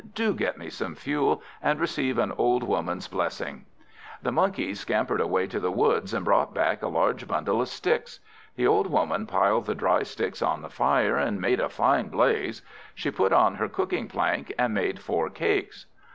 "Do get me some fuel, and receive an old Woman's blessing." The Monkey scampered away to the woods, and brought back a large bundle of sticks. The old Woman piled the dry sticks on the fire, and made a fine blaze. She put on her cooking plank, and made four cakes.